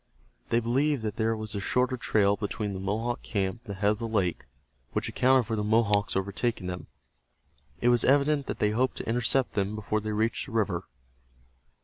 They believed that there was a shorter trail between the Mohawk camp and the head of the lake, which accounted for the Mohawks overtaking them. It was evident that they hoped to intercept them before they reached the river.